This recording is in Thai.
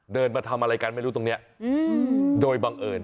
เดินมาทำอะไรกันไม่รู้ตรงนี้โดยบังเอิญ